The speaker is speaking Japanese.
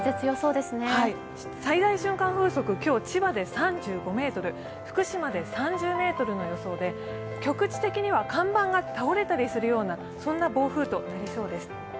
最大瞬間風速、今日、千葉で３５メートル、福島で３０メートルの予想で、局地的には看板が倒れたりするような暴風となりそうです。